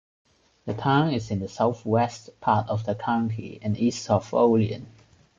The town is in the southwest part of the county and east of Olean.